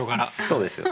そうですよ。